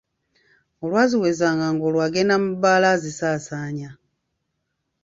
Olwaziwezanga, ng'olwo alyoka agenda mu bbaala azisaasaanya.